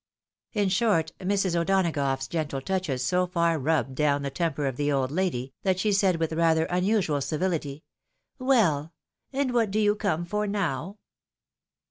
In short, Mrs. O'Douagough's gentle touches so far rubbed down the temper of the old lady, that she said with rather rmusual civility, " Well ! and what do you come for now